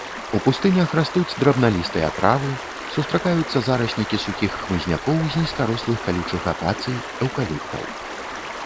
У пустынях растуць драбналістыя травы, сустракаюцца зараснікі сухіх хмызнякоў з нізкарослых калючых акацый, эўкаліптаў.